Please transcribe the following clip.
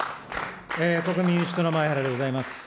国民民主党の前原でございます。